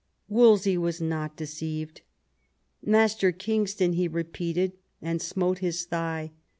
Wolsey was not deceived. " Master Kingston," he repeated, and smote his thigh.